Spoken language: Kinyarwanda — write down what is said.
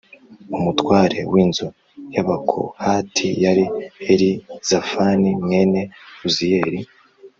Umutware w inzu y Abakohati yari Elizafani mwene Uziyeli